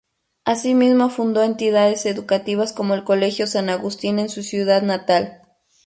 Asimismo fundó entidades educativas como el colegio San Agustín en su ciudad natal.